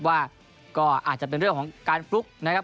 ว่าก็อาจจะเป็นเรื่องของการฟลุกนะครับ